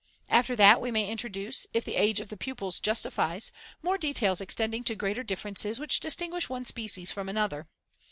After that we may introduce, if the age of the pupils justifies, more details extending to greater differences which distinguish one species from another.